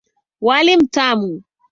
Wali mtamu.